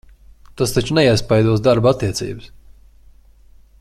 Tas taču neiespaidos darba attiecības?